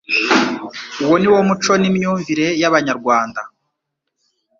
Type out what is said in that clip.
uwo niwo muco n'imyumvire y'Abanyarwanda.